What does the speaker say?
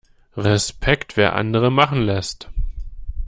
Respekt, wer andere machen lässt!